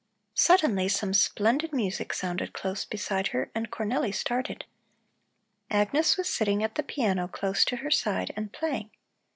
Suddenly some splendid music sounded close beside her, and Cornelli started. Agnes was sitting at the piano close to her side and playing.